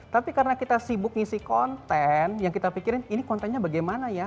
tapi karena kita sibuk ngisi konten yang kita pikirin ini kontennya bagaimana ya